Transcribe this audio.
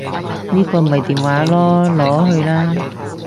呢個咪電話囉，攞去啦